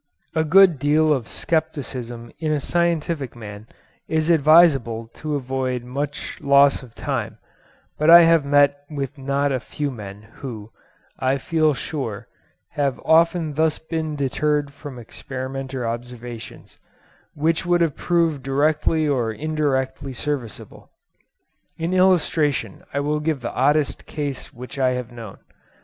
A good deal of scepticism in a scientific man is advisable to avoid much loss of time, but I have met with not a few men, who, I feel sure, have often thus been deterred from experiment or observations, which would have proved directly or indirectly serviceable. In illustration, I will give the oddest case which I have known.